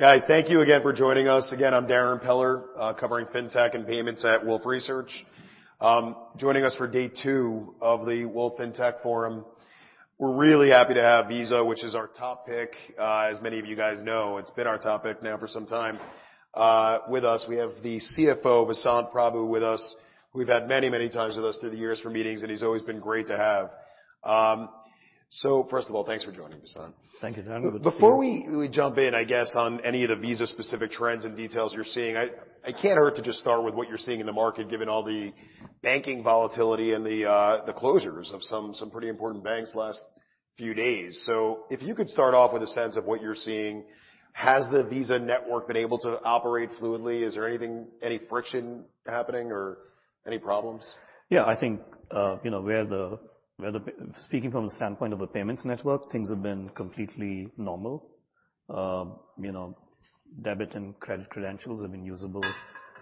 Guys, thank you again for joining us. Again, I'm Darrin Peller, covering Fintech and payments at Wolfe Research. Joining us for day two of the Wolfe FinTech Forum, we're really happy to have Visa, which is our top pick. As many of you guys know, it's been our topic now for some time. With us, we have the CFO, Vasant Prabhu, with us, who we've had many times with us through the years for meetings, and he's always been great to have. First of all, thanks for joining me, Vasant. Thank you, Darrin. Good to see you. Before we jump in, I guess, on any of the Visa-specific trends and details you're seeing, it can't hurt to just start with what you're seeing in the market, given all the banking volatility and the closures of some pretty important banks the last few days. If you could start off with a sense of what you're seeing. Has the Visa network been able to operate fluidly? Is there anything, any friction happening or any problems? Yeah, I think, you know, Speaking from the standpoint of a payments network, things have been completely normal. You know, debit and credit credentials have been usable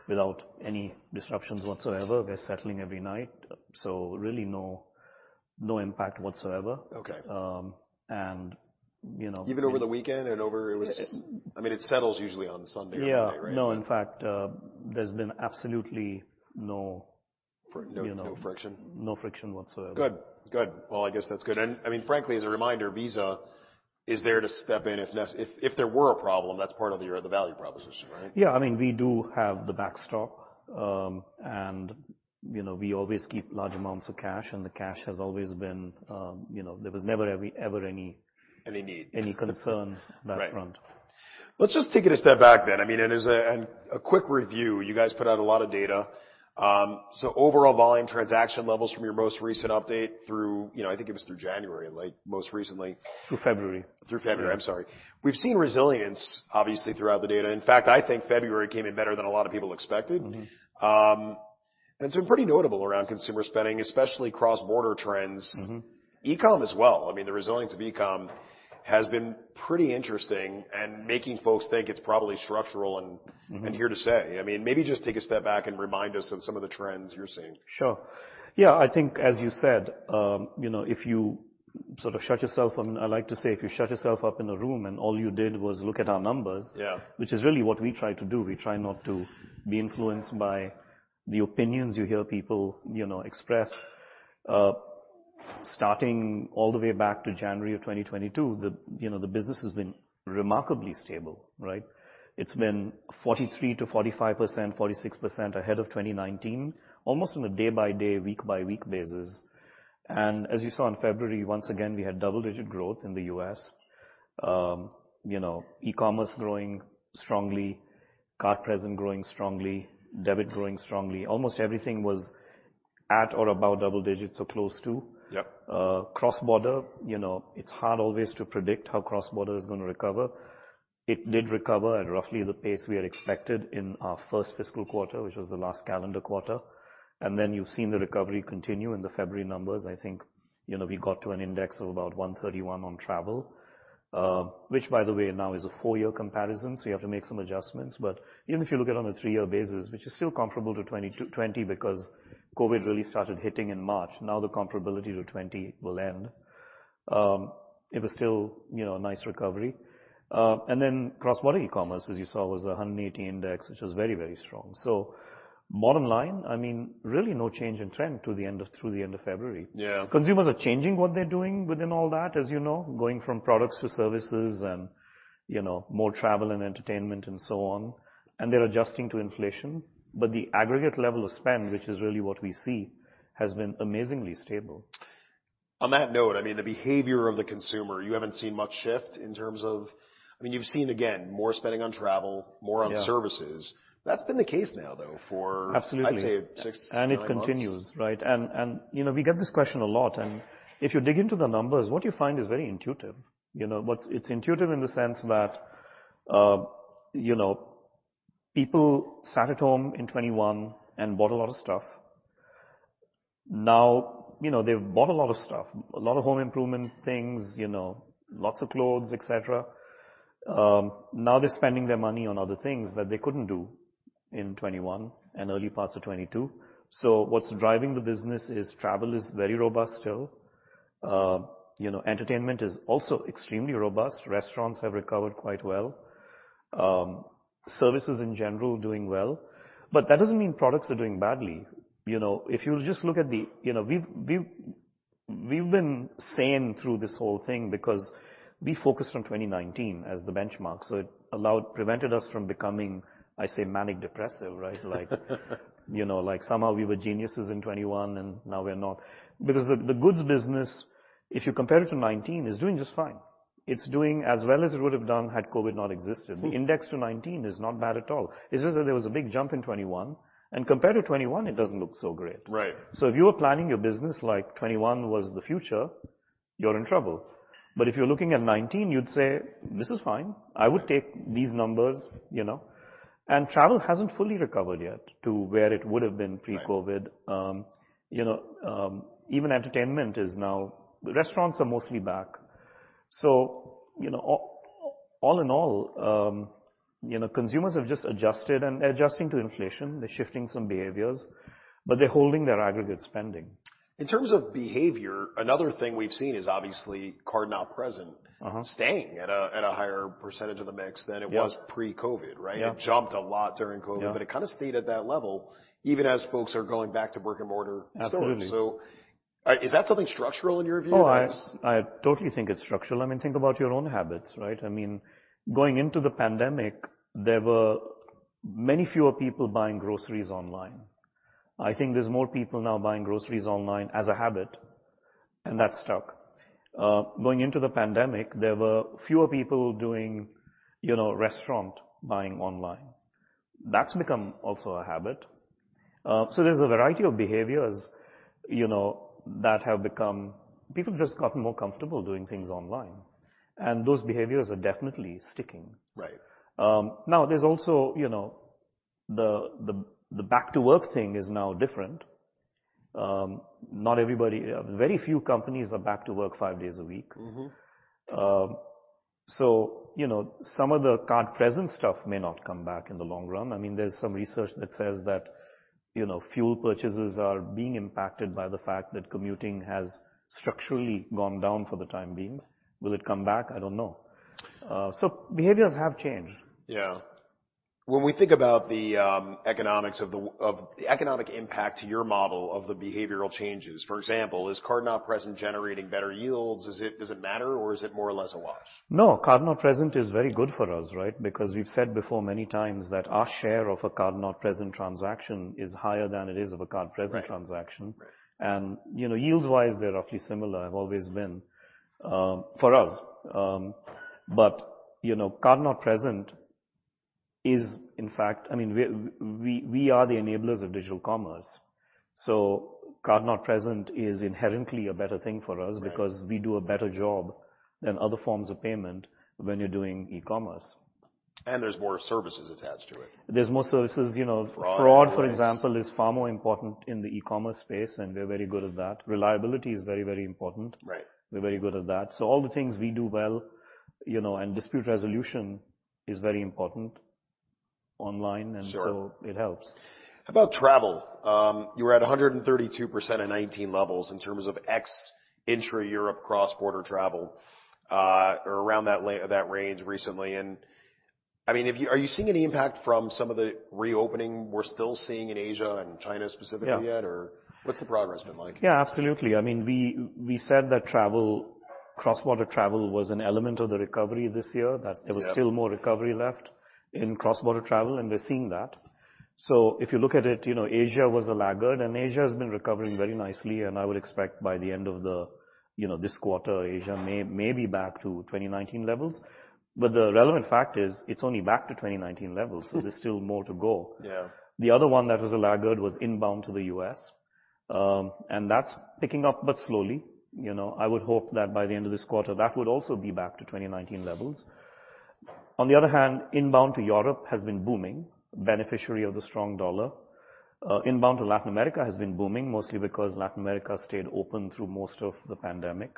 without any disruptions whatsoever. We're settling every night. Really no impact whatsoever. Okay. you know Even over the weekend. I mean, it settles usually on Sunday or Monday, right? Yeah. No, in fact, there's been absolutely no, you know. No friction? No friction whatsoever. Good. Well, I guess that's good. I mean, frankly, as a reminder, Visa is there to step in if there were a problem, that's part of your, the value proposition, right? Yeah. I mean, we do have the backstop. You know, we always keep large amounts of cash, and the cash has always been, you know, there was never. Any need? any concern on that front. Right. Let's just take it a step back then. I mean, a quick review, you guys put out a lot of data. Overall volume transaction levels from your most recent update through, you know, I think it was through January, like most recently. Through February. Through February. Yeah. I'm sorry. We've seen resilience, obviously, throughout the data. In fact, I think February came in better than a lot of people expected. It's been pretty notable around consumer spending, especially cross-border trends. E-com as well. I mean, the resilience of e-com has been pretty interesting and making folks think it's probably structural and here to stay. I mean, maybe just take a step back and remind us of some of the trends you're seeing. Sure. Yeah, I think as you said, you know, if you sort of shut yourself, I like to say if you shut yourself up in a room and all you did was look at our numbers, Yeah which is really what we try to do, we try not to be influenced by the opinions you hear people, you know, express. Starting all the way back to January of 2022, the, you know, the business has been remarkably stable, right? It's been 43%-45%, 46% ahead of 2019 almost on a day-by-day, week-by-week basis. As you saw in February, once again, we had double-digit growth in the U.S. you know, e-commerce growing strongly, card-present growing strongly, debit growing strongly. Almost everything was at or about double digits or close to. Yep. Cross-border, you know, it's hard always to predict how cross-border is gonna recover. It did recover at roughly the pace we had expected in our first fiscal quarter, which was the last calendar quarter. You've seen the recovery continue in the February numbers. I think, you know, we got to an index of about 131 on travel, which, by the way, now is a four year comparison, so you have to make some adjustments. Even if you look at it on a three year basis, which is still comparable to 2020 because COVID really started hitting in March, now the comparability to 2020 will end. It was still, you know, a nice recovery. Cross-border e-commerce, as you saw, was a 180 index, which was very, very strong. Bottom line, I mean, really no change in trend to the end of, through the end of February. Yeah. Consumers are changing what they're doing within all that, as you know, going from products to services and, you know, more travel and entertainment and so on, and they're adjusting to inflation. The aggregate level of spend, which is really what we see, has been amazingly stable. On that note, I mean, the behavior of the consumer, you haven't seen much shift in terms of. I mean, you've seen, again, more spending on travel, more on services. Yeah. That's been the case now, though. Absolutely I'd say six to nine months. It continues, right. You know, we get this question a lot. If you dig into the numbers, what you find is very intuitive. You know. It's intuitive in the sense that, you know, people sat at home in 2021 and bought a lot of stuff. Now, you know, they've bought a lot of stuff, a lot of home improvement things, you know, lots of clothes, etcetera. Now they're spending their money on other things that they couldn't do in 2021 and early parts of 2022. What's driving the business is travel is very robust still. You know, entertainment is also extremely robust. Restaurants have recovered quite well. Services in general doing well. That doesn't mean products are doing badly. You know, if you just look at the... You know, we've been sane through this whole thing because we focused on 2019 as the benchmark, so it prevented us from becoming, I say, manic depressive, right? Like, you know, like somehow we were geniuses in 2021, and now we're not. The goods business, if you compare it to 2019, is doing just fine. It's doing as well as it would have done had COVID not existed. The index to 19 is not bad at all. It's just that there was a big jump in 21, and compared to 21, it doesn't look so great. Right. If you were planning your business like 21 was the future, you're in trouble. If you're looking at 19, you'd say, "This is fine. I would take these numbers," you know? Travel hasn't fully recovered yet to where it would have been pre-COVID. Right. You know, even entertainment is now. Restaurants are mostly back. You know, all in all, consumers have just adjusted and they're adjusting to inflation. They're shifting some behaviors, but they're holding their aggregate spending. In terms of behavior, another thing we've seen is obviously card-not-present. Staying at a higher percentage of the mix than it was Yeah pre-COVID, right? Yeah. It jumped a lot during COVID. Yeah. It kind of stayed at that level even as folks are going back to brick-and-mortar stores. Absolutely. Is that something structural in your view? I totally think it's structural. I mean, think about your own habits, right? I mean, going into the pandemic, there were many fewer people buying groceries online. I think there's more people now buying groceries online as a habit, and that stuck. Going into the pandemic, there were fewer people doing, you know, restaurant buying online. That's become also a habit. There's a variety of behaviors, you know, that have become. People have just gotten more comfortable doing things online, and those behaviors are definitely sticking. Right. There's also, you know, the, the back to work thing is now different. Not everybody, very few companies are back to work five days a week. You know, some of the card-present stuff may not come back in the long run. I mean, there's some research that says that, you know, fuel purchases are being impacted by the fact that commuting has structurally gone down for the time being. Will it come back? I don't know. Behaviors have changed. Yeah. When we think about the economics of the economic impact to your model of the behavioral changes. For example, is card-not-present generating better yields? Does it matter or is it more or less a wash? card-not-present is very good for us, right? Because we've said before many times that our share of a card-not-present transaction is higher than it is of a card-present transaction. Right. Right. You know, yields wise, they're roughly similar, have always been for us. You know, card-not-present is in fact... I mean, we are the enablers of digital commerce, so card-not-present is inherently a better thing for us. Right We do a better job than other forms of payment when you're doing e-commerce. There's more services attached to it. There's more services, you know. Fraud and the like. Fraud, for example, is far more important in the e-commerce space, and we're very good at that. Reliability is very, very important. Right. We're very good at that. All the things we do well, you know, and dispute resolution is very important. Sure it helps. How about travel? you were at 132% of 2019 levels in terms of ex intra-Europe cross-border travel, or around that range recently. I mean, if you. Are you seeing any impact from some of the reopening we're still seeing in Asia and China specifically yet... Yeah What's the progress been like? Yeah, absolutely. I mean, we said that travel, cross-border travel was an element of the recovery this year. Yeah That there was still more recovery left in cross-border travel, we're seeing that. If you look at it, you know, Asia was a laggard, Asia has been recovering very nicely, I would expect by the end of the, you know, this quarter, Asia may be back to 2019 levels. The relevant fact is it's only back to 2019 levels, there's still more to go. Yeah. The other one that was a laggard was inbound to the U.S., and that's picking up but slowly. You know, I would hope that by the end of this quarter, that would also be back to 2019 levels. On the other hand, inbound to Europe has been booming, beneficiary of the strong dollar. Inbound to Latin America has been booming, mostly because Latin America stayed open through most of the pandemic.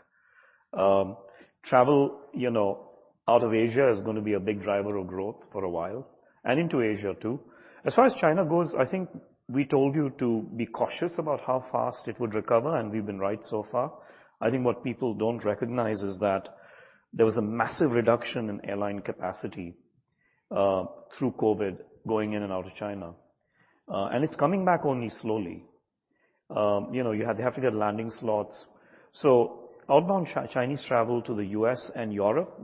Travel, you know, out of Asia is gonna be a big driver of growth for a while, and into Asia too. As far as China goes, I think we told you to be cautious about how fast it would recover, and we've been right so far. I think what people don't recognize is that there was a massive reduction in airline capacity, through COVID going in and out of China. It's coming back only slowly. You know, they have to get landing slots. Outbound Chinese travel to the U.S. and Europe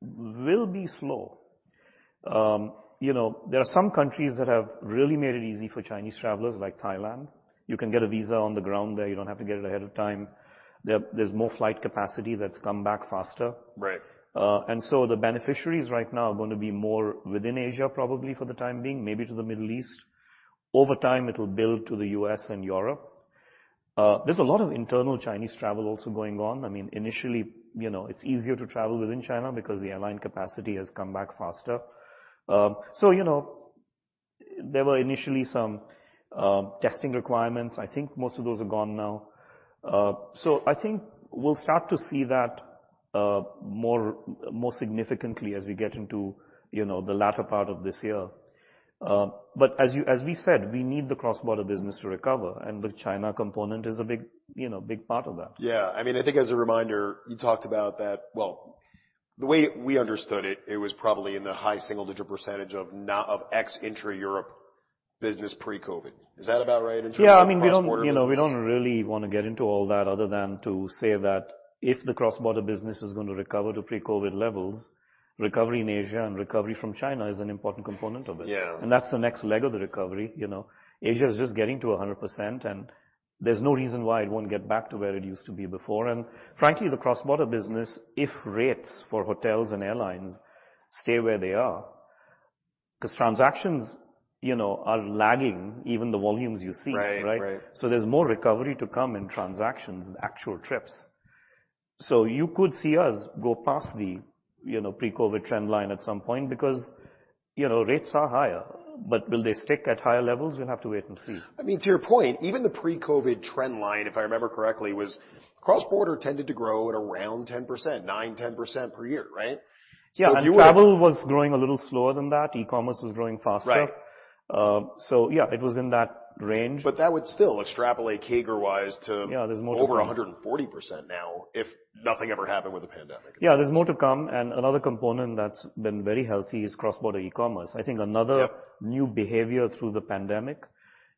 will be slow. You know, there are some countries that have really made it easy for Chinese travelers, like Thailand. You can get a visa on the ground there. You don't have to get it ahead of time. There's more flight capacity that's come back faster. Right. The beneficiaries right now are gonna be more within Asia, probably for the time being, maybe to the Middle East. Over time, it'll build to the U.S. and Europe. There's a lot of internal Chinese travel also going on. I mean, initially, you know, it's easier to travel within China because the airline capacity has come back faster. You know, there were initially some testing requirements. I think most of those are gone now. I think we'll start to see that more significantly as we get into, you know, the latter part of this year. As we said, we need the cross-border business to recover, and the China component is a big part of that. Yeah. I mean, I think as a reminder, you talked about that... Well, the way we understood it was probably in the high single-digit percentage of ex intra-Europe business pre-COVID. Is that about right in terms of cross-border business? Yeah. I mean, we don't, you know, we don't really wanna get into all that other than to say that if the cross-border business is gonna recover to pre-COVID levels, recovery in Asia and recovery from China is an important component of it. Yeah. That's the next leg of the recovery, you know. Asia is just getting to 100%, and there's no reason why it won't get back to where it used to be before. Frankly, the cross-border business, if rates for hotels and airlines stay where they are, 'cause transactions, you know, are lagging even the volumes you see. Right. Right. Right? There's more recovery to come in transactions and actual trips. You could see us go past the, you know, pre-COVID trend line at some point because, you know, rates are higher, but will they stick at higher levels? We'll have to wait and see. I mean, to your point, even the pre-COVID trend line, if I remember correctly, was cross-border tended to grow at around 10%, 9%-10% per year, right? If you were. Yeah, travel was growing a little slower than that. E-commerce was growing faster. Yeah, it was in that range. That would still extrapolate CAGR-wise to-. Yeah, there's more to come. over 140% now if nothing ever happened with the pandemic. Yeah, there's more to come. Another component that's been very healthy is cross-border e-commerce. Yeah. New behavior through the pandemic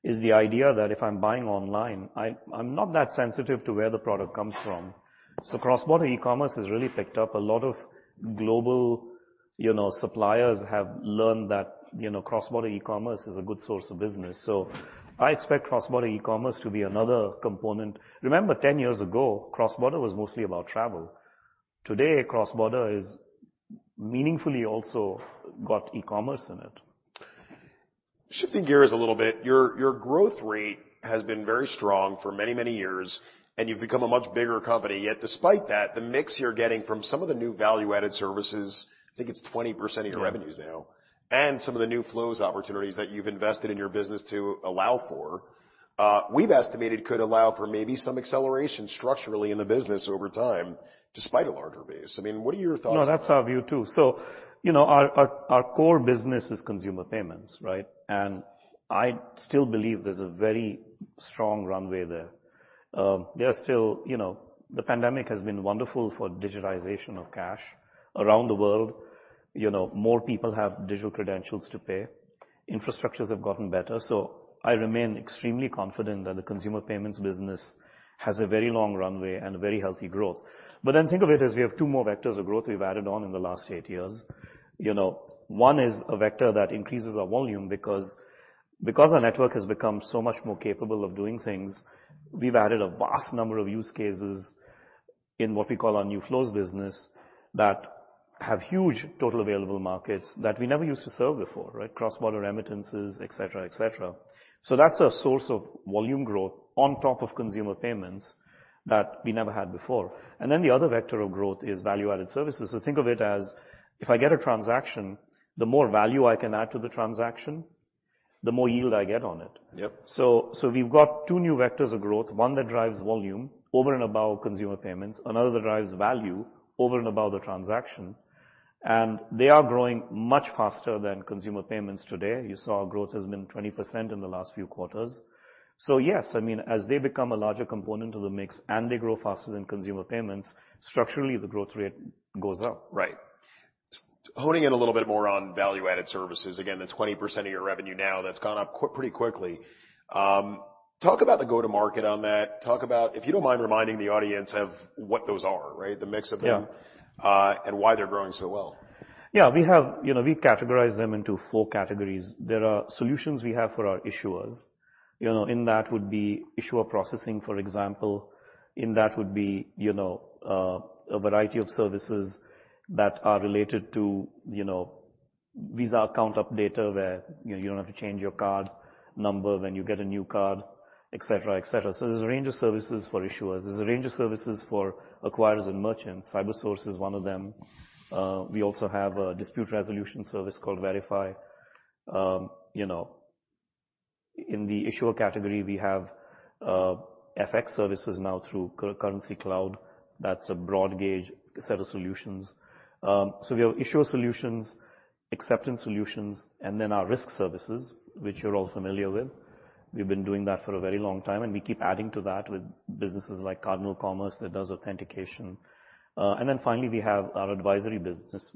is the idea that if I'm buying online, I'm not that sensitive to where the product comes from. Cross-border e-commerce has really picked up. A lot of global, you know, suppliers have learned that, you know, cross-border e-commerce is a good source of business. I expect cross-border e-commerce to be another component. Remember, 10 years ago, cross-border was mostly about travel. Today, cross-border is meaningfully also got e-commerce in it. Shifting gears a little bit, your growth rate has been very strong for many, many years, and you've become a much bigger company, yet despite that, the mix you're getting from some of the new value-added services, I think it's 20% of your revenues now... Yeah. some of the new flows opportunities that you've invested in your business to allow for, we've estimated could allow for maybe some acceleration structurally in the business over time, despite a larger base. I mean, what are your thoughts on that? That's our view too. You know, our core business is consumer payments, right? I still believe there's a very strong runway there. There are still, you know, the pandemic has been wonderful for digitization of cash around the world. You know, more people have digital credentials to pay. Infrastructures have gotten better. I remain extremely confident that the consumer payments business has a very long runway and very healthy growth. Think of it as we have 2 more vectors of growth we've added on in the last 8 years. You know, one is a vector that increases our volume because our network has become so much more capable of doing things, we've added a vast number of use cases in what we call our new flows business that have huge total available markets that we never used to serve before, right? Cross-border remittances, et cetera, et cetera. That's a source of volume growth on top of consumer payments that we never had before. Then the other vector of growth is value-added services. Think of it as if I get a transaction, the more value I can add to the transaction, the more yield I get on it. Yep. We've got two new vectors of growth, one that drives volume over and above consumer payments, another that drives value over and above the transaction, and they are growing much faster than consumer payments today. You saw growth has been 20% in the last few quarters. Yes, I mean, as they become a larger component of the mix and they grow faster than consumer payments, structurally, the growth rate goes up. Right. Honing in a little bit more on value-added services, again, that's 20% of your revenue now. That's gone up pretty quickly. Talk about the go-to-market on that. Talk about, if you don't mind reminding the audience of what those are, right? The mix of them- Yeah. Why they're growing so well. Yeah, we have, you know, we categorize them into four categories. There are solutions we have for our issuers. You know, in that would be issuer processing, for example. In that would be, you know, a variety of services that are related to, you know, Visa Account Updater, where, you know, you don't have to change your card number when you get a new card, et cetera, et cetera. There's a range of services for issuers. There's a range of services for acquirers and merchants. CyberSource is one of them. We also have a dispute resolution service called Verifi. You know. In the issuer category, we have FX services now through Currencycloud. That's a broad gauge set of solutions. We have issuer solutions, acceptance solutions, and then our risk services, which you're all familiar with. We've been doing that for a very long time. We keep adding to that with businesses like Cardinal Commerce that does authentication. Finally, we have our advisory business.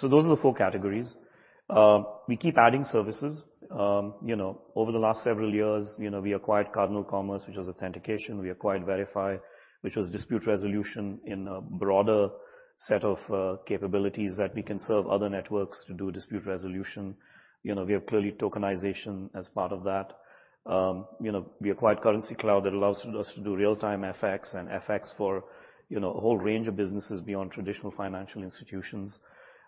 Those are the four categories. We keep adding services. You know, over the last several years, you know, we acquired Cardinal Commerce, which was authentication. We acquired Verifi, which was dispute resolution in a broader set of capabilities that we can serve other networks to do dispute resolution. You know, we have clearly tokenization as part of that. You know, we acquired Currencycloud that allows us to do real-time FX and FX for, you know, a whole range of businesses beyond traditional financial institutions.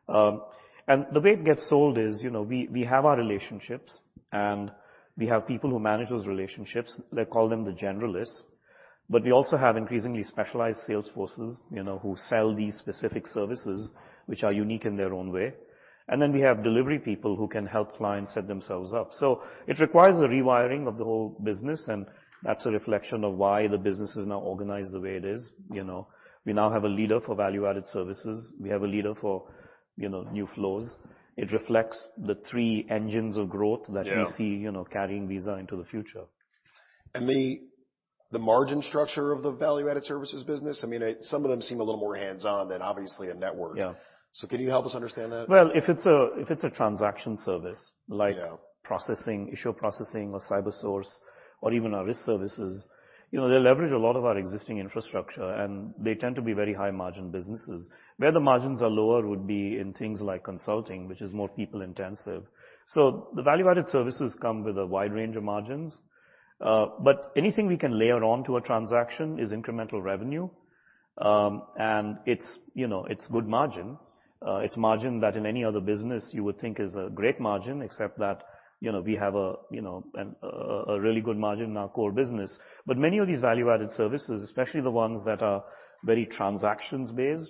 The way it gets sold is, you know, we have our relationships, and we have people who manage those relationships. They call them the generalists. We also have increasingly specialized sales forces, you know, who sell these specific services, which are unique in their own way. Then we have delivery people who can help clients set themselves up. It requires a rewiring of the whole business, and that's a reflection of why the business is now organized the way it is, you know. We now have a leader for value-added services. We have a leader for, you know, new flows. It reflects the three engines of growth. Yeah. that we see, you know, carrying Visa into the future. The margin structure of the value-added services business, I mean, Some of them seem a little more hands-on than obviously a network. Yeah. Can you help us understand that? Well, if it's a transaction service like. Yeah. Processing, issuer processing or CyberSource or even our risk services, you know, they leverage a lot of our existing infrastructure, they tend to be very high-margin businesses. Where the margins are lower would be in things like consulting, which is more people-intensive. The value-added services come with a wide range of margins, anything we can layer on to a transaction is incremental revenue. It's, you know, it's good margin. It's margin that in any other business you would think is a great margin, except that, you know, we have a, you know, a really good margin in our core business. Many of these value-added services, especially the ones that are very transactions based,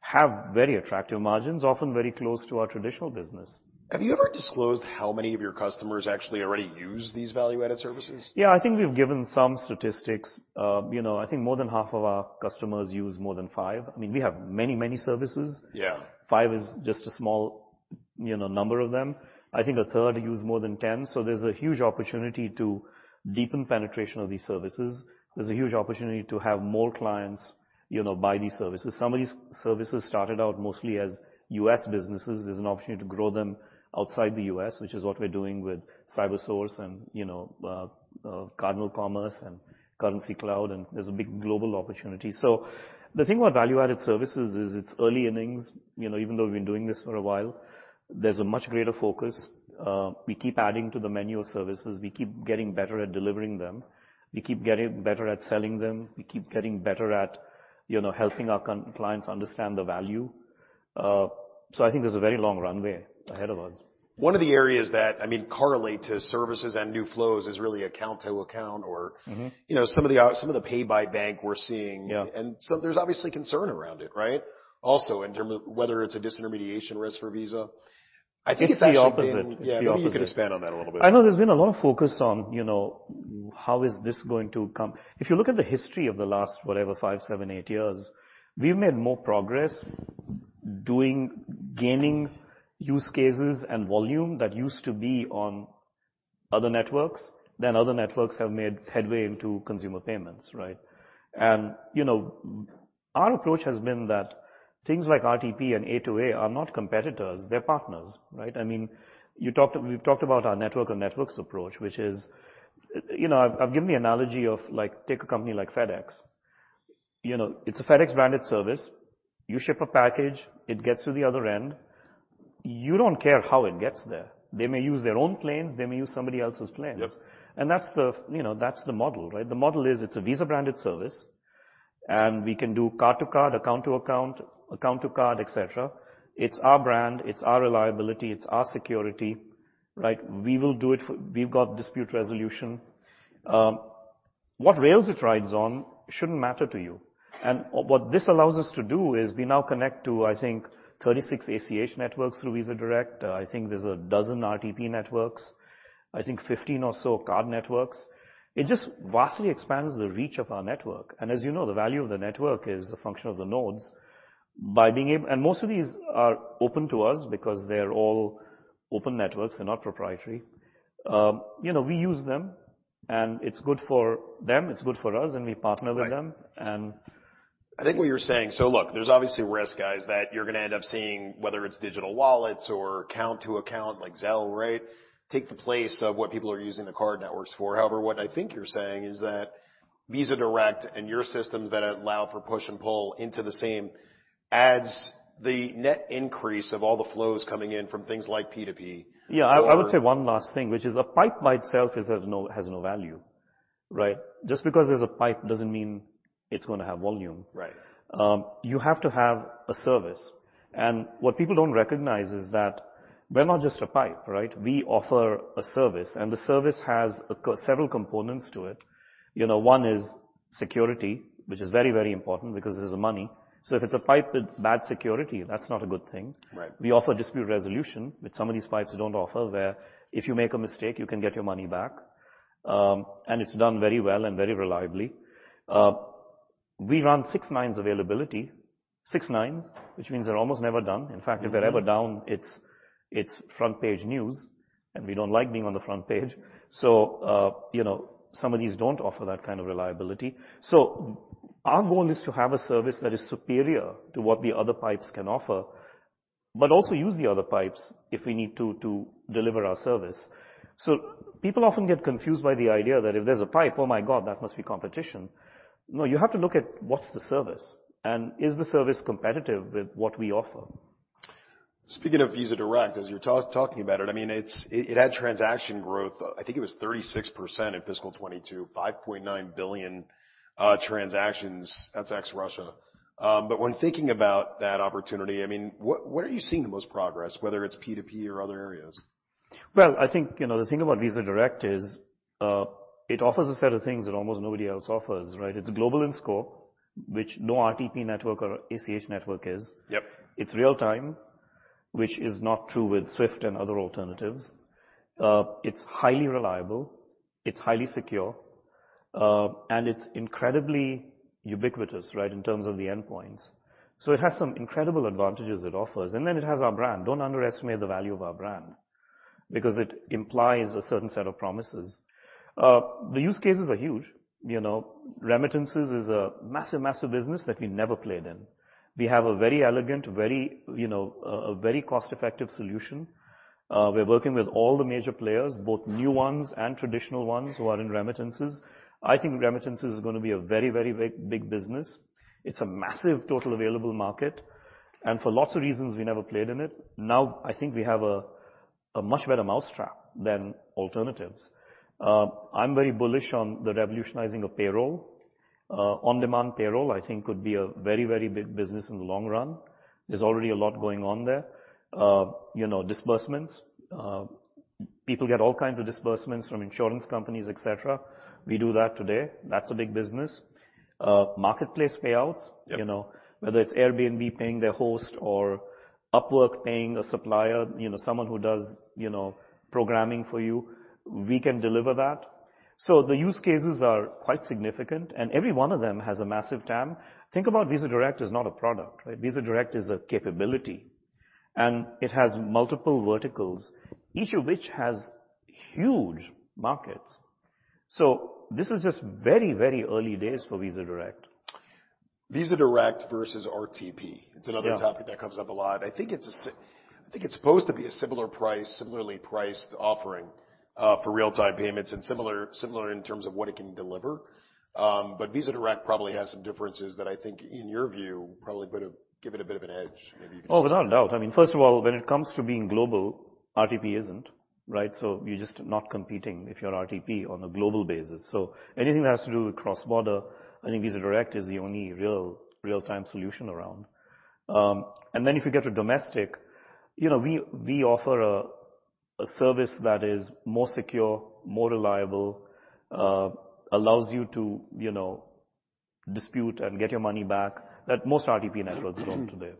have very attractive margins, often very close to our traditional business. Have you ever disclosed how many of your customers actually already use these value-added services? Yeah. I think we've given some statistics. You know, I think more than half of our customers use more than five. I mean, we have many, many services. Yeah. Five is just a small, you know, number of them. I think a third use more than 10. There's a huge opportunity to deepen penetration of these services. There's a huge opportunity to have more clients, you know, buy these services. Some of these services started out mostly as U.S. businesses. There's an opportunity to grow them outside the U.S., which is what we're doing with CyberSource and, you know, Cardinal Commerce and Currencycloud, and there's a big global opportunity. The thing about value-added services is it's early innings, you know, even though we've been doing this for a while, there's a much greater focus. We keep adding to the menu of services. We keep getting better at delivering them. We keep getting better at selling them. We keep getting better at, you know, helping our clients understand the value. I think there's a very long runway ahead of us. One of the areas that, I mean, correlate to services and new flows is really account to account. You know, some of the, some of the pay by bank we're seeing. Yeah. There's obviously concern around it, right? Also, in terms of whether it's a disintermediation risk for Visa. I think it's actually. It's the opposite. It's the opposite. Yeah. Maybe you could expand on that a little bit. I know there's been a lot of focus on, you know, how is this going to come? If you look at the history of the last, whatever, five, seven, eight years, we've made more progress gaining use cases and volume that used to be on other networks than other networks have made headway into consumer payments, right? You know, our approach has been that things like RTP and A2A are not competitors, they're partners, right? I mean, we've talked about our network of networks approach, which is, you know, I've given the analogy of, like, take a company like FedEx. You know, it's a FedEx-branded service. You ship a package, it gets to the other end. You don't care how it gets there. They may use their own planes. They may use somebody else's planes. Yep. That's the, you know, that's the model, right? The model is it's a Visa-branded service, and we can do card to card, account to account to card, et cetera. It's our brand, it's our reliability, it's our security, right? We will do it, we've got dispute resolution. What rails it rides on shouldn't matter to you. What this allows us to do is we now connect to, I think, 36 ACH networks through Visa Direct. I think there's a 12 RTP networks, I think 15 or so card networks. It just vastly expands the reach of our network. As you know, the value of the network is a function of the nodes. Most of these are open to us because they're all open networks. They're not proprietary. you know, we use them, and it's good for them, it's good for us, and we partner with them. Right. And- Look, there's obviously risk, guys, that you're gonna end up seeing, whether it's digital wallets or account to account like Zelle, right, take the place of what people are using the card networks for. However, what I think you're saying is that Visa Direct and your systems that allow for push and pull into the same adds the net increase of all the flows coming in from things like P2P. Yeah, I would say one last thing, which is a pipe by itself is has no value, right? Just because there's a pipe doesn't mean it's gonna have volume. Right. You have to have a service. What people don't recognize is that we're not just a pipe, right? We offer a service, and the service has several components to it. You know, one is security, which is very, very important because this is money. If it's a pipe with bad security, that's not a good thing. Right. We offer dispute resolution, which some of these pipes don't offer, where if you make a mistake, you can get your money back. It's done very well and very reliably. We run six nines availability. six nines, which means they're almost never done. If they're ever down, it's front page news, and we don't like being on the front page. You know, some of these don't offer that kind of reliability. Our goal is to have a service that is superior to what the other pipes can offer, but also use the other pipes if we need to deliver our service. People often get confused by the idea that if there's a pipe, oh my God, that must be competition. You have to look at what's the service and is the service competitive with what we offer. Speaking of Visa Direct, as you're talking about it, I mean, it's, it had transaction growth, I think it was 36% in fiscal 2022, 5.9 billion transactions. That's ex Russia. When thinking about that opportunity, I mean, where are you seeing the most progress, whether it's P2P or other areas? Well, I think, you know, the thing about Visa Direct is, it offers a set of things that almost nobody else offers, right? It's global in scope, which no RTP network or ACH network is. Yep. It's real time, which is not true with SWIFT and other alternatives. It's highly reliable, it's highly secure, and it's incredibly ubiquitous, right, in terms of the endpoints. It has some incredible advantages it offers, and then it has our brand. Don't underestimate the value of our brand because it implies a certain set of promises. The use cases are huge. You know, remittances is a massive business that we never played in. We have a very elegant, very, you know, a very cost-effective solution. We're working with all the major players, both new ones and traditional ones who are in remittances. I think remittances is gonna be a very big business. It's a massive total available market, and for lots of reasons, we never played in it. I think we have a much better mousetrap than alternatives. I'm very bullish on the revolutionizing of payroll. On-demand payroll, I think could be a very, very big business in the long run. There's already a lot going on there. You know, disbursements, people get all kinds of disbursements from insurance companies, et cetera. We do that today. That's a big business. Marketplace payouts. Yep. You know, whether it's Airbnb paying their host or Upwork paying a supplier, you know, someone who does, you know, programming for you, we can deliver that. The use cases are quite significant, and every one of them has a massive TAM. Think about Visa Direct is not a product, right? Visa Direct is a capability, and it has multiple verticals, each of which has huge markets. This is just very, very early days for Visa Direct. Visa Direct versus RTP. Yeah. It's another topic that comes up a lot. I think it's supposed to be a similar price, similarly priced offering, for real-time payments and similar in terms of what it can deliver. Visa Direct probably has some differences that I think in your view probably would have give it a bit of an edge. Without a doubt. I mean, first of all, when it comes to being global, RTP isn't, right? You're just not competing if you're RTP on a global basis. Anything that has to do with cross-border, I think Visa Direct is the only real-time solution around. If you get to domestic, you know, we offer a service that is more secure, more reliable, allows you to, you know, dispute and get your money back that most RTP networks don't today.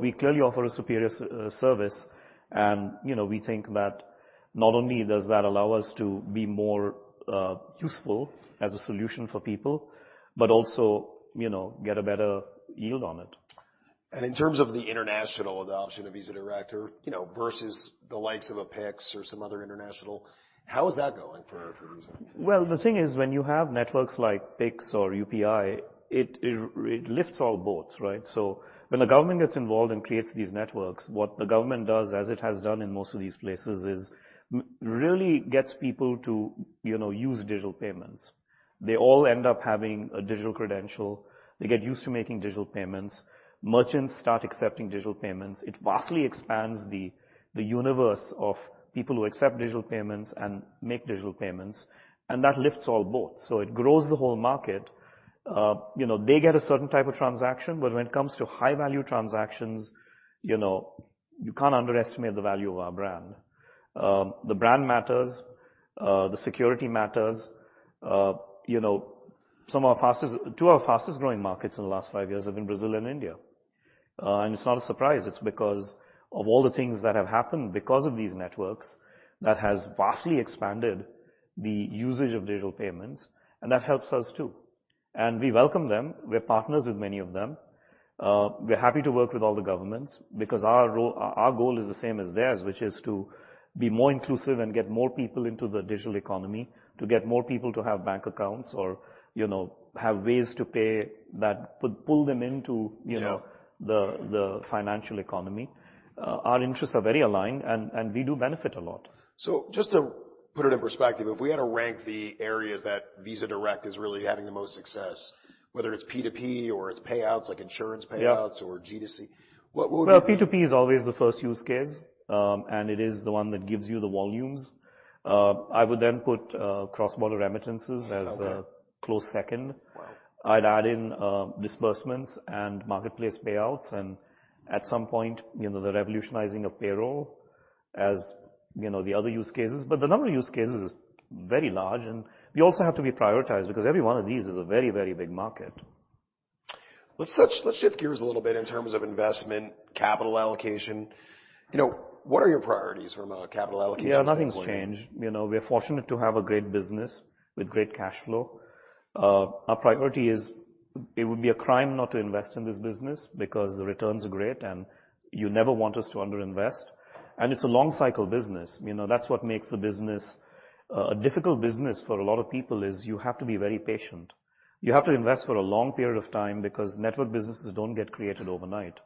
We clearly offer a superior service and, you know, we think that not only does that allow us to be more useful as a solution for people but also, you know, get a better yield on it. In terms of the international adoption of Visa Direct or, you know, versus the likes of a Pix or some other international, how is that going for Visa? Well, the thing is, when you have networks like Pix or UPI, it lifts all boats, right? When the government gets involved and creates these networks, what the government does, as it has done in most of these places, is really gets people to, you know, use digital payments. They all end up having a digital credential. They get used to making digital payments. Merchants start accepting digital payments. It vastly expands the universe of people who accept digital payments and make digital payments, and that lifts all boats. It grows the whole market. You know, they get a certain type of transaction, but when it comes to high-value transactions, you know, you can't underestimate the value of our brand. The brand matters. The security matters. You know, two of our fastest-growing markets in the last five years have been Brazil and India. It's not a surprise. It's because of all the things that have happened because of these networks that has vastly expanded the usage of digital payments, and that helps us too. We welcome them. We're partners with many of them. We're happy to work with all the governments because our goal is the same as theirs, which is to be more inclusive and get more people into the digital economy, to get more people to have bank accounts or, you know, have ways to pay that would pull them into, you know. Yeah the financial economy. Our interests are very aligned, and we do benefit a lot. Just to put it in perspective, if we had to rank the areas that Visa Direct is really having the most success, whether it's P2P or it's payouts like insurance payouts. Yeah or G2C, what would be- P2P is always the first use case, and it is the one that gives you the volumes. I would then put cross-border remittances. Okay close second. Wow. I'd add in, disbursements and marketplace payouts and at some point, you know, the revolutionizing of payroll as, you know, the other use cases. The number of use cases is very large, and we also have to be prioritized because every one of these is a very, very big market. Let's shift gears a little bit in terms of investment, capital allocation. You know, what are your priorities from a capital allocation standpoint? Yeah, nothing's changed. You know, we're fortunate to have a great business with great cash flow. Our priority is it would be a crime not to invest in this business because the returns are great, and you never want us to underinvest. It's a long cycle business. You know, that's what makes the business, a difficult business for a lot of people is you have to be very patient. You have to invest for a long period of time because network businesses don't get created overnight.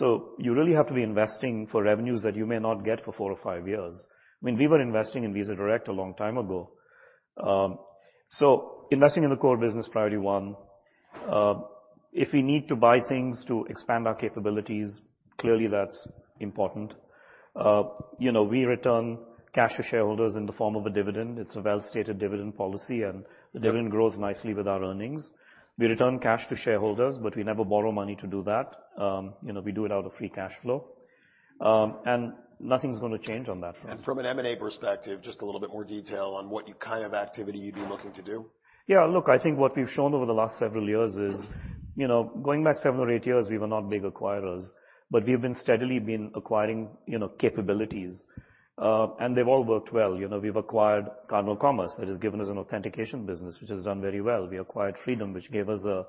You really have to be investing for revenues that you may not get for four or five years. I mean, we were investing in Visa Direct a long time ago. Investing in the core business, priority one. If we need to buy things to expand our capabilities, clearly that's important. You know, we return cash to shareholders in the form of a dividend. It's a well-stated dividend policy, and the dividend grows nicely with our earnings. We return cash to shareholders, but we never borrow money to do that. You know, we do it out of free cash flow. Nothing's gonna change on that front. From an M&A perspective, just a little bit more detail on what kind of activity you'd be looking to do. Yeah, look, I think what we've shown over the last several years is you know, going back seven or eight years, we were not big acquirers, but we've been steadily acquiring, you know, capabilities. They've all worked well. You know, we've acquired Cardinal Commerce. That has given us an authentication business, which has done very well. We acquired Fraedom, which gave us a,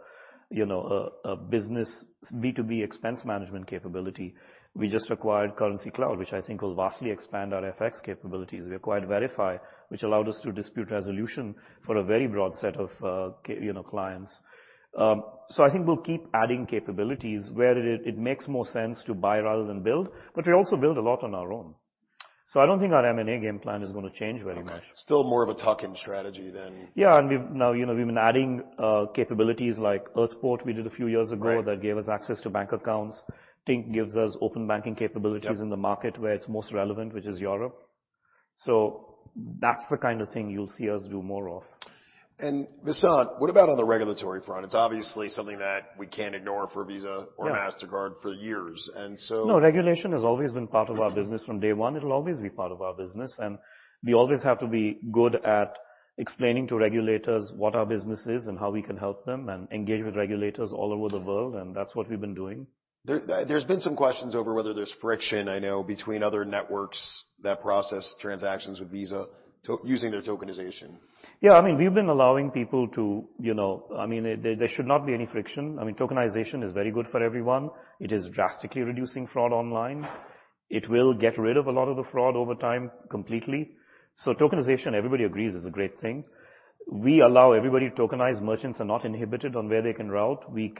you know, a business B2B expense management capability. We just acquired Currencycloud, which I think will vastly expand our FX capabilities. We acquired Verifi, which allowed us to dispute resolution for a very broad set of, you know, clients. I think we'll keep adding capabilities where it makes more sense to buy rather than build. We also build a lot on our own. I don't think our M&A game plan is gonna change very much. Okay. Still more of a tuck-in strategy than- Yeah, we've now, you know, we've been adding capabilities like Earthport we did a few years ago. Right that gave us access to bank accounts. Tink gives us open banking capabilities- Yeah In the market where it's most relevant, which is Europe. That's the kind of thing you'll see us do more of. Vasant, what about on the regulatory front? It's obviously something that we can't ignore for Visa. Yeah Or Mastercard for years. No, regulation has always been part of our business from day one. It'll always be part of our business, and we always have to be good at explaining to regulators what our business is and how we can help them and engage with regulators all over the world, and that's what we've been doing. There, there's been some questions over whether there's friction, I know, between other networks that process transactions with Visa using their tokenization. I mean, we've been allowing people to, you know. I mean, there should not be any friction. I mean, tokenization is very good for everyone. It is drastically reducing fraud online. It will get rid of a lot of the fraud over time completely. Tokenization, everybody agrees is a great thing. We allow everybody to tokenize. Merchants are not inhibited on where they can route. We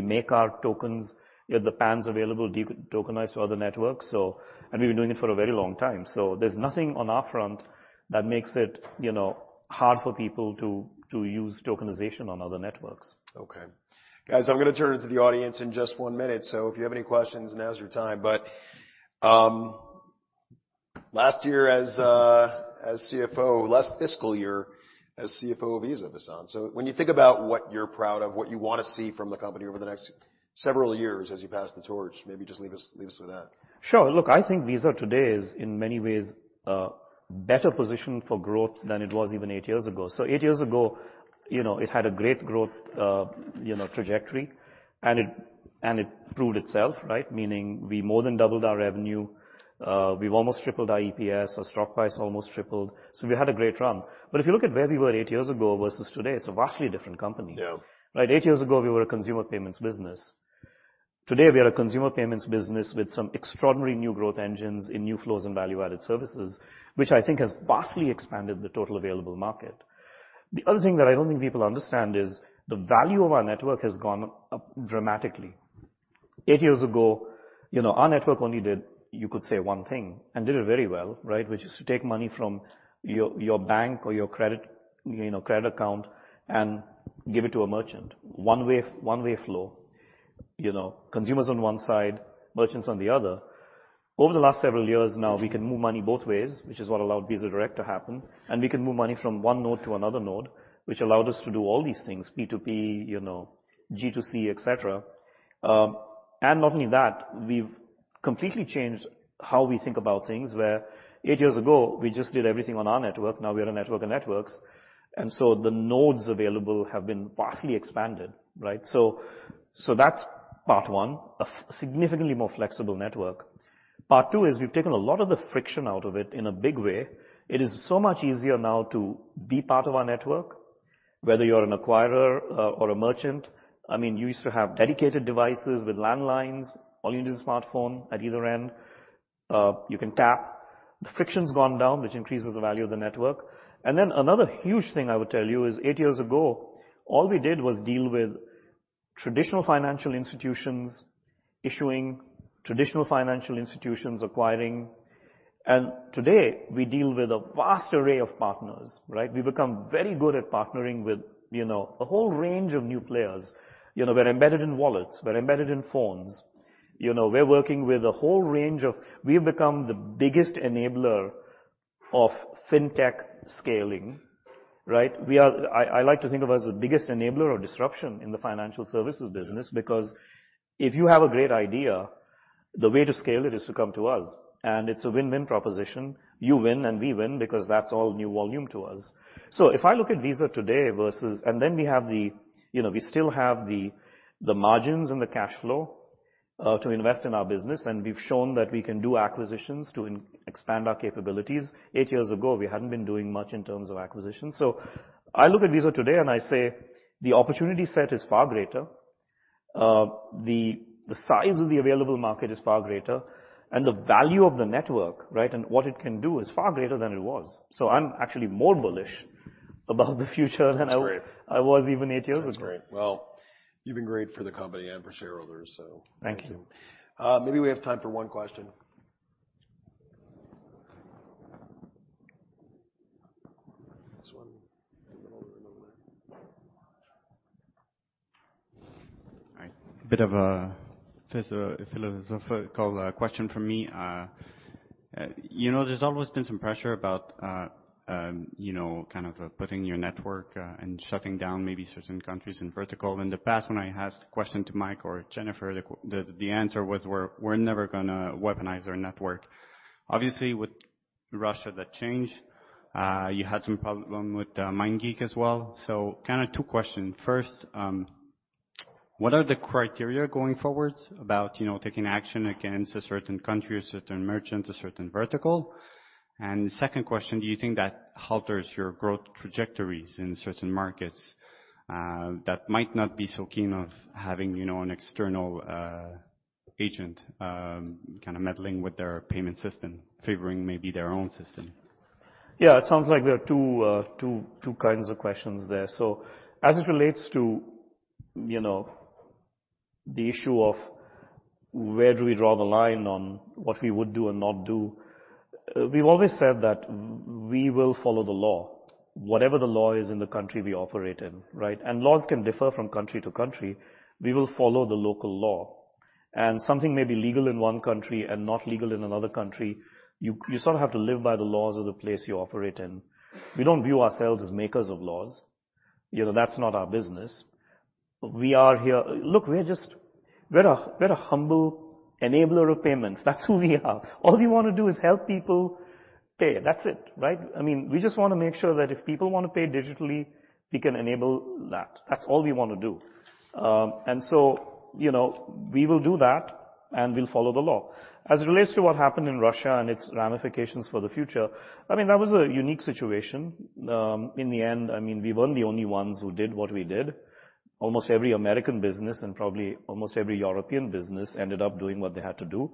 make our tokens, you know, the PANs available to tokenize to other networks, we've been doing it for a very long time. There's nothing on our front that makes it, you know, hard for people to use tokenization on other networks. Okay. Guys, I'm gonna turn it to the audience in just one minute, so if you have any questions, now's your time. Last year as CFO, last fiscal year as CFO of Visa, Vasant. When you think about what you're proud of, what you wanna see from the company over the next several years as you pass the torch, maybe just leave us, leave us with that. Sure. Look, I think Visa today is in many ways, better positioned for growth than it was even eight years ago eight years ago, you know, it had a great growth, you know, trajectory, and it, and it proved itself, right? Meaning we more than doubled our revenue, we've almost tripled our EPS, our stock price almost tripled. We had a great run. But if you look at where we were eight years ago versus today, it's a vastly different company. Yeah. Eight years ago, we were a consumer payments business. Today, we are a consumer payments business with some extraordinary new growth engines in new flows and value-added services, which I think has vastly expanded the total available market. The other thing that I don't think people understand is the value of our network has gone up dramatically. Eight years ago, you know, our network only did, you could say one thing, and did it very well, right? Which is to take money from your bank or your credit, you know, credit account and give it to a merchant. One way, one way flow, you know. Consumers on one side, merchants on the other. Over the last several years now, we can move money both ways, which is what allowed Visa Direct to happen. We can move money from one node to another node, which allowed us to do all these things, P2P, you know, G2C, et cetera. Not only that, we've completely changed how we think about things. Where 8 years ago, we just did everything on our network. Now we are a network of networks. The nodes available have been vastly expanded, right? So that's part one, a significantly more flexible network. Part two is we've taken a lot of the friction out of it in a big way. It is so much easier now to be part of our network, whether you're an acquirer or a merchant. I mean, you used to have dedicated devices with landlines. All you need is a smartphone at either end. You can tap. The friction's gone down, which increases the value of the network. Another huge thing I would tell you is eight years ago, all we did was deal with traditional financial institutions issuing, traditional financial institutions acquiring. Today, we deal with a vast array of partners, right? We've become very good at partnering with, you know, a whole range of new players. You know, we're embedded in wallets. We're embedded in phones. You know, we're working with a whole range of... We've become the biggest enabler of Fintech scaling, right? I like to think of us as the biggest enabler of disruption in the financial services business, because if you have a great idea, the way to scale it is to come to us, and it's a win-win proposition. You win and we win because that's all new volume to us. If I look at Visa today versus. Then we have the, you know, we still have the margins and the cash flow to invest in our business, and we've shown that we can do acquisitions to expand our capabilities. Eight years ago, we hadn't been doing much in terms of acquisitions. I look at Visa today and I say, the opportunity set is far greater. The, the size of the available market is far greater, and the value of the network, right, and what it can do is far greater than it was. I'm actually more bullish about the future than... That's great. I was even eight years ago. That's great. You've been great for the company and for shareholders, thank you. Thank you. Maybe we have time for one question. This one in the middle over there. All right. Bit of a philosophical question from me. You know, there's always been some pressure about, you know, kind of putting your network and shutting down maybe certain countries and vertical. In the past, when I asked the question to Mike or Jennifer, the answer was, "We're never gonna weaponize our network." Obviously, with Russia, that changed. You had some problem with MindGeek as well. Kind of two questions. First, what are the criteria going forward about, you know, taking action against a certain country, a certain merchant, a certain vertical? The second question, do you think that halters your growth trajectories in certain markets that might not be so keen of having, you know, an external agent kind of meddling with their payment system, favoring maybe their own system? Yeah. It sounds like there are two kinds of questions there. As it relates to, you know, the issue of where do we draw the line on what we would do and not do, we've always said that we will follow the law, whatever the law is in the country we operate in, right? Laws can differ from country to country. You, you sort of have to live by the laws of the place you operate in. We don't view ourselves as makers of laws. You know, that's not our business. We're just, we're a humble enabler of payments. That's who we are. All we wanna do is help people pay. That's it, right? I mean, we just wanna make sure that if people wanna pay digitally, we can enable that. That's all we wanna do. You know, we will do that, and we'll follow the law. As it relates to what happened in Russia and its ramifications for the future, I mean, that was a unique situation. In the end, I mean, we weren't the only ones who did what we did. Almost every American business and probably almost every European business ended up doing what they had to do.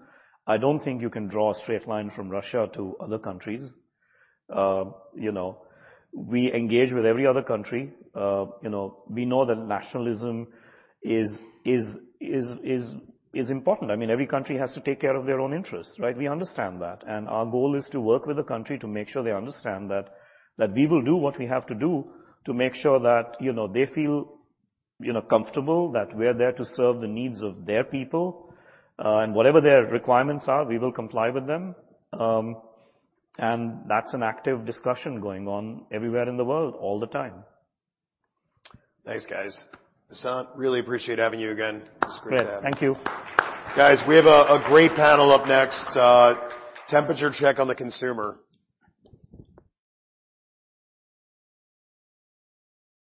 I don't think you can draw a straight line from Russia to other countries. You know, we engage with every other country. You know, we know that nationalism is important. I mean, every country has to take care of their own interests, right? We understand that, and our goal is to work with the country to make sure they understand that we will do what we have to do to make sure that, you know, they feel, you know, comfortable that we're there to serve the needs of their people. Whatever their requirements are, we will comply with them. That's an active discussion going on everywhere in the world all the time. Thanks, guys. Vasant, really appreciate having you again. It was great to have you. Yeah. Thank you. Guys, we have a great panel up next. Temperature check on the consumer.